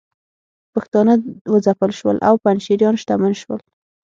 پښتانه وځپل شول او پنجشیریان شتمن شول